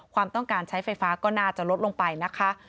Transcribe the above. ความต้องการใช้ไฟฟ้าก็น่าจะลดลงไปนะคะ